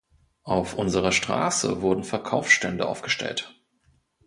Auf unserer Straße wurden Verkaufsstände aufgestellt.